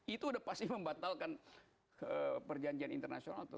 itu udah pasti membatalkan perjanjian internasional tuh